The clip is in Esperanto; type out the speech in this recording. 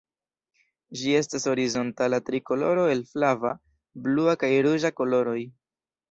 Ĝi estas horizontala trikoloro el flava, blua kaj ruĝa koloroj.